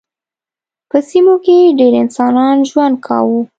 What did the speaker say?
په سیمو کې ډېر انسانان ژوند کاوه.